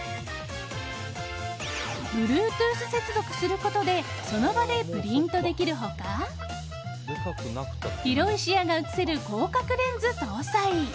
Ｂｌｕｅｔｏｏｔｈ接続することでその場でプリントできる他広い視野が写せる広角レンズ搭載。